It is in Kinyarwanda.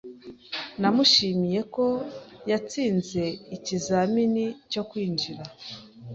Namushimiye ko yatsinze ikizamini cyo kwinjira.